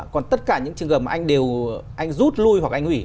còn tất cả những trường hợp mà anh rút lui hoặc anh hủy